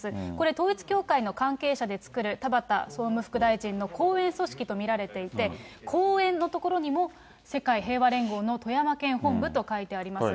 これ、統一教会の関係者で作る田畑総務副大臣の後援組織と見られていて、後援の所にも世界平和連合の富山県本部と書いてあります。